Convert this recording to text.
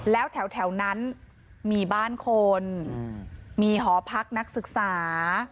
แล้วแถวนั้นมีบ้านคนมีหอพักนักศึกษา